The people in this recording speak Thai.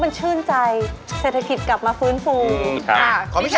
ไม่ได้มาทอนี้เลย